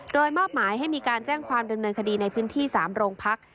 โดยมอบหมายให้มีการแจ้งความดำเนินคดีในพื้นที่๓โรงพัก